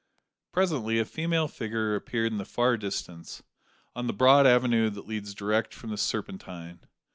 Presently, a female figure appeared in the far distance, on the broad avenue that leads direct from the Serpentine.